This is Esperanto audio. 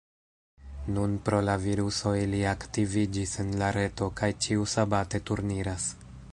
Nun pro la viruso ili aktiviĝis en la reto kaj ĉiusabate turniras.